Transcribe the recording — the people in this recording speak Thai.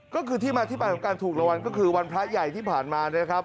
ก็คือที่มาที่ไปของการถูกรางวัลก็คือวันพระใหญ่ที่ผ่านมานะครับ